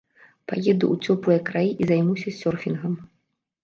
Паеду ў цёплыя краі і займуся сёрфінгам.